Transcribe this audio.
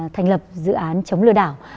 thành lập dự án chống lừa đảo